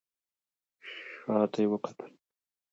شا ته يې وکتل.